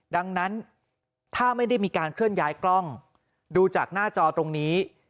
ดังนั้นถ้าไม่ได้มีการเคลื่อนย้ายกล้องดูจากหน้าจอตรงนี้